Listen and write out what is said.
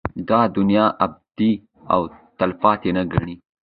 دا دنيا ابدي او تلپاتې نه گڼي